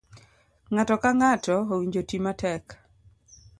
ng'ato ka ng'ato owinjo oti matek.